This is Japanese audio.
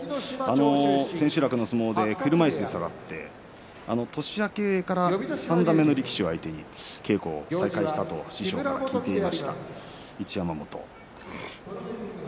千秋楽の相撲で車いすで下がって年明けから三段目の力士を相手に稽古を再開したと師匠から聞いていました一山本。